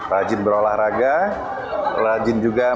rajin berolahraga rajin juga